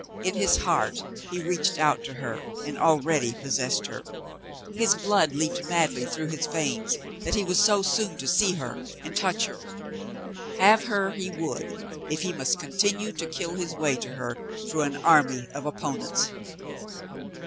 In his heart, he reached out to her and already possessed her. His blood leaped madly through his veins that he was so soon to see her and touch her. Have her he would, if he must continue to kill his way to her through an army of opponents.